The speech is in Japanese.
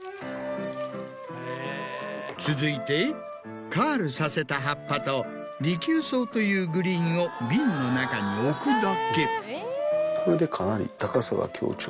続いてカールさせた葉っぱとリキュウソウというグリーンを瓶の中に置くだけ。